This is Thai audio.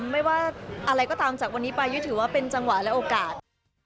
ไม่ว่าอะไรก็ตามจากวันนี้ไปยุ้ยถือว่าเป็นจังหวะและโอกาส